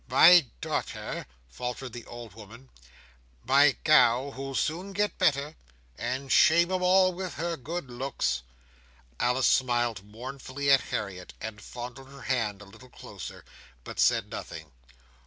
"—My daughter," faltered the old woman, "my gal who'll soon get better, and shame 'em all with her good looks." Alice smiled mournfully at Harriet, and fondled her hand a little closer, but said nothing.